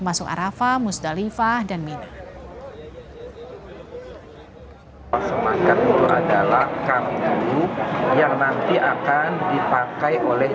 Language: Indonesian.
masuk arafah musdalifah dan minimarket itu adalah kartu yang nanti akan dipakai oleh